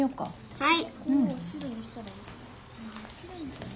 はい。